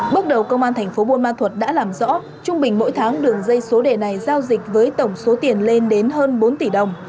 bước đầu công an thành phố buôn ma thuật đã làm rõ trung bình mỗi tháng đường dây số đề này giao dịch với tổng số tiền lên đến hơn bốn tỷ đồng